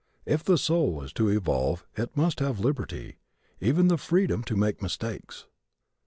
If the soul is to evolve it must have liberty even the freedom to make mistakes.